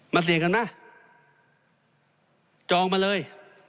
เสี่ยงกันไหมจองมาเลย